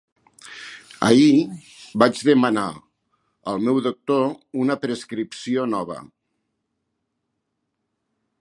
Ahir, vaig demanar al meu doctor una prescripció nova.